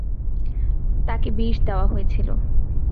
তাকে বিষ দেওয়া হয়েছিল।